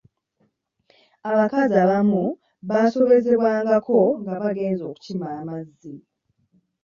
Abakazi abamu baasobezebwangako nga bagenze okukima amazzi.